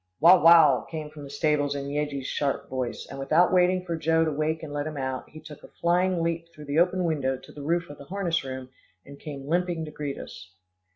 "Wow, wow," came from the stables in Yeggie's sharp voice, and without waiting for Joe to wake and let him out, he took a flying leap through the open window to the roof of the harness room, and came limping to greet us.